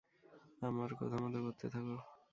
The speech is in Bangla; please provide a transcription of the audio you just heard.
আমার কথামত করতে থাকো।